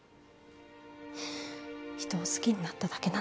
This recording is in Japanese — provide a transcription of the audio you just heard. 人を好きになっただけなのに。